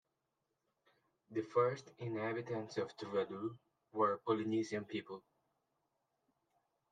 The first inhabitants of Tuvalu were Polynesian people.